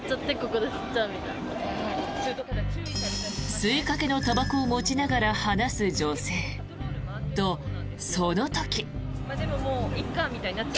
吸いかけのたばこを持ちながら話す女性。と、その時。